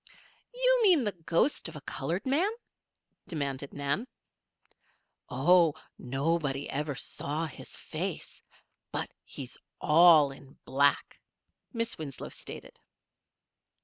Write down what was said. "You mean the ghost of a colored man?" demanded Nan. "Oh! nobody ever saw his face. But he's all in black," Miss Winslow stated.